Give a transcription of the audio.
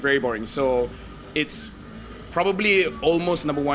jadi itu mungkin hampir menjadi prioritas nomor satu